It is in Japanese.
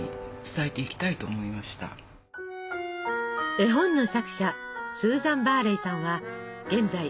絵本の作者スーザン・バーレイさんは現在６１歳。